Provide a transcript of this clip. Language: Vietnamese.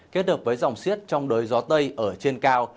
kết hợp với dòng siết trong đới gió tây ở trên cao